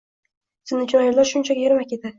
Sen uchun ayollar shunchaki ermak edi